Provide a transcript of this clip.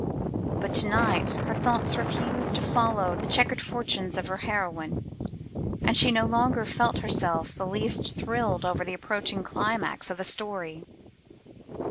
But to night her thoughts refused to follow the chequered fortunes of her heroine, and she no longer felt herself the least thrilled over the approaching climax of the story.